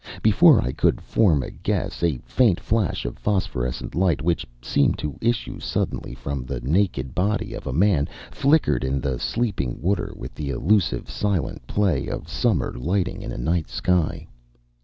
Before I could form a guess a faint flash of phosphorescent light, which seemed to issue suddenly from the naked body of a man, flickered in the sleeping water with the elusive, silent play of summer lightning in a night sky.